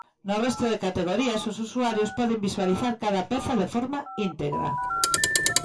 No resto de categorías, os usuarios poden visualizar cada peza de forma íntegra.